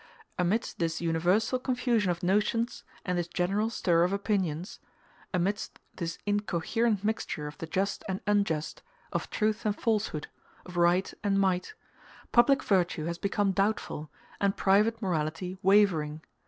Amidst this universal confusion of notions and this general stir of opinions amidst this incoherent mixture of the just and unjust, of truth and falsehood, of right and might public virtue has become doubtful, and private morality wavering.